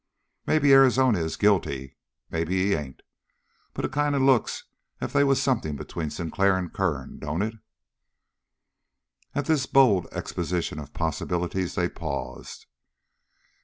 Maybe Arizona is guilty, maybe he ain't. But it kind of looks as if they was something between Sinclair and Kern, don't it?" At this bold exposition of possibilities they paused.